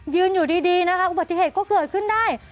อยู่ดีนะคะอุบัติเหตุก็เกิดขึ้นได้